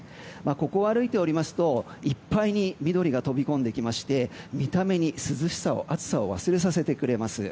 ここを歩いておりますといっぱいに緑が飛び込んできて見た目に涼しさを暑さを忘れさせてくれます。